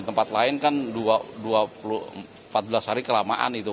di tempat lain kan empat belas hari kelamaan itu